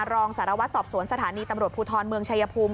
รองสารวัตรสอบสวนสถานีตำรวจภูทรเมืองชายภูมิ